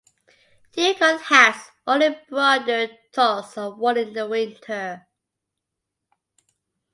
Yukon hats or embroidered toques are worn in the winter.